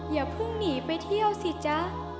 อย่าเพิ่งหนีไปเที่ยวสิจ๊ะ